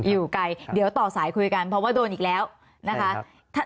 อยู่ไกลเดี๋ยวต่อสายคุยกันเพราะว่าโดนอีกแล้วนะคะ